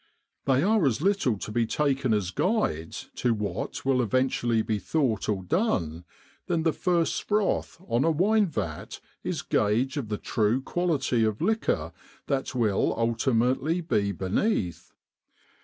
11 They are as little to be taken as guides to what will eventually be thought or done than the first froth on a wine vat is guage of the true quality of liquor that will ultimately be beneath.